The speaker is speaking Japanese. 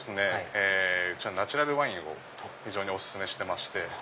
うちはナチュラルワインを非常にお薦めしてまして。